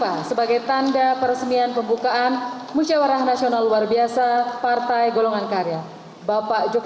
assalamu'alaikum warahmatullahi wabarakatuh